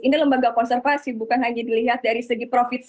ini lembaga konservasi bukan hanya dilihat dari segi profit saja